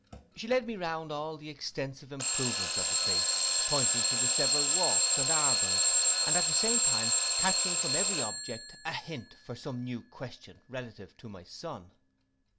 She led me round all the extensive improvements of the place, pointing to the several walks and arbours, and at the same time catching from every object a hint for some new question relative to my son.